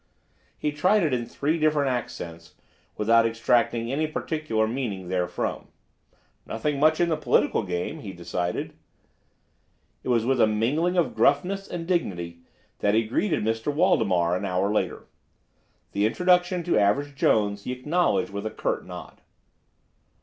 He tried it in three different accents, without extracting any particular meaning therefrom. "Nothing much in the political game," he decided. It was with a mingling of gruffness and dignity that he greeted Mr. Waldemar an hour later. The introduction to Average Jones he acknowledged with a curt nod.